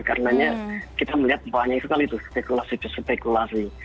karena kita melihat banyak sekali spekulasi spekulasi